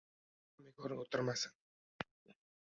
qishda ham bekor o‘tirmasin